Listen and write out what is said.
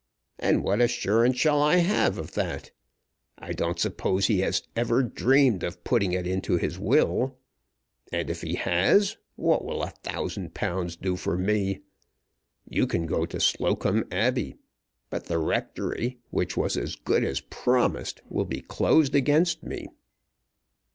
And what assurance shall I have of that? I don't suppose he has ever dreamed of putting it into his will. And if he has, what will a thousand pounds do for me? You can go to Slocombe Abbey. But the rectory, which was as good as promised, will be closed against me."